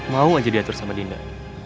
mau aja diatur sama dinda